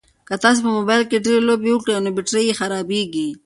که تاسي په موبایل کې ډېرې لوبې وکړئ نو بېټرۍ یې خرابیږي.